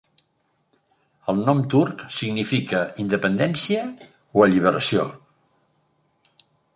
El nom turc significa "independència" o "alliberació".